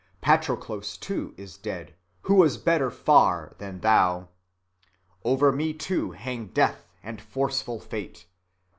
Patroclos too is dead, who was better far than thou.... Over me too hang death and forceful fate.